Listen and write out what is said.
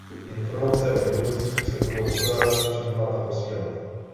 Informace o výrobcích se budou ukládat, přijímat a posílat.